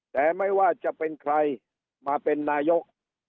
แต่ไม่ว่าจะเป็นใครมาเป็นนายก